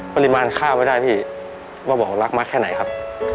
ปริมาณข้าวไม่ได้พี่ว่าบอกรักมากแค่ไหนครับ